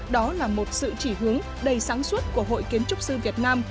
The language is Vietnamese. đó là một sự chỉ hướng đầy sáng suốt của hội kiến trúc sư việt nam